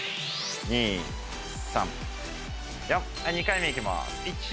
２回目行きます。